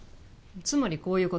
つまりこういう事？